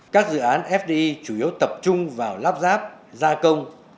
các dự án fdi chủ yếu tập trung vào lắp ráp gia công